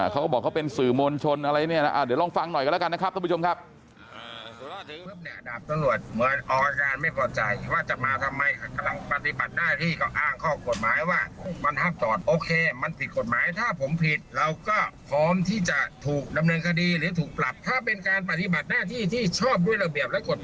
เขาบอกเขาเป็นสื่อมวลชนอะไรเนี่ยนะเดี๋ยวลองฟังหน่อยกันแล้วกันนะครับทุกผู้ชมครับ